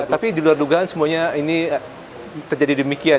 tapi di luar dugaan semuanya ini terjadi demikian